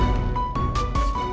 aku mau kasih tau